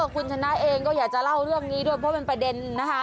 คุณชนะเองก็อยากจะเล่าเรื่องนี้ด้วยเพราะเป็นประเด็นนะคะ